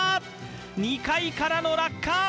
２階からの落下！